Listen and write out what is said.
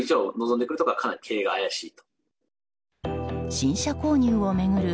新車購入を巡る